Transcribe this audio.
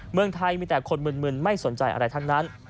เมืองไทยมีแต่คนมึนไม่สนใจอะไรทั้งนั้น